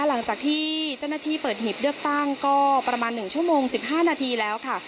หลังจากที่เจ้าหน้าที่เปิดหีบเลือกตั้งก็ประมาณ๑ชั่วโมง๑๕นาทีแล้วค่ะ